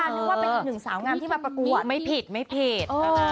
นึกว่าเป็นอีกหนึ่งสาวงามที่มาประกวดไม่ผิดไม่ผิด